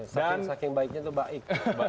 saking baiknya itu baik